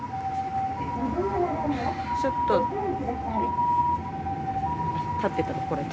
・ちょっと立ってたところへ。